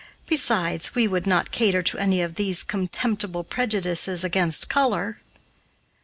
Besides, we would not cater to any of these contemptible prejudices against color."